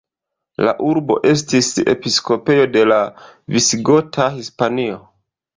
La urbo estis episkopejo de la Visigota Hispanio.